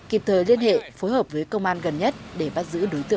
kịp thời liên hệ phối hợp với công an gần nhất để bắt giữ đối tượng gây án